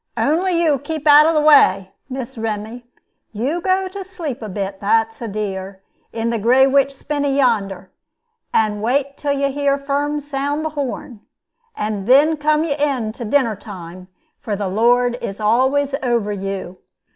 Only you keep out of the way, Miss Remy. You go to sleep a bit, that's a dear, in the graywitch spinny yonder, and wait till you hear Firm sound the horn. And then come you in to dinner time; for the Lord is always over you."